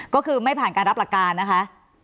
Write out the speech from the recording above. ก็คือไม่ผ่านการรับหลักการนะคะ